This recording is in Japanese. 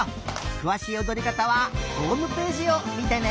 くわしいおどりかたはホームページをみてね！